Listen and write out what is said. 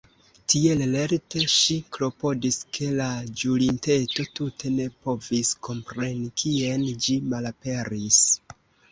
Tiel lerte ŝi klopodis ke la ĵurinteto tute ne povis kompreni kien ĝi malaperis.